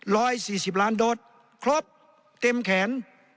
ร้อยสี่สิบล้านโดสครบเต็มแขน